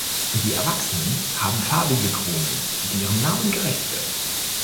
Die Erwachsenen haben farbige Kronen, die ihrem Namen gerecht werden.